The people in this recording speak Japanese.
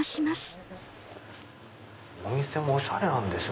お店もおしゃれなんですよ。